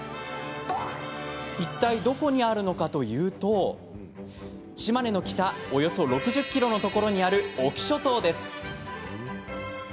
いったい、どこにあるのかというと島根の北およそ６０ｋｍのところにある隠岐諸島です。